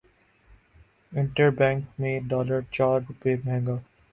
inter bank میں dollar چار روپے مہنگا